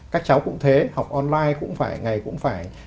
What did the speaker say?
các cháu cũng thế học online cũng vài ngày cũng phải